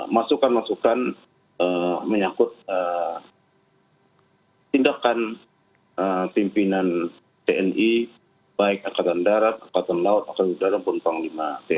masukan masukan menyangkut tindakan pimpinan tni baik angkatan darat angkatan laut angkatan udara pun panglima tni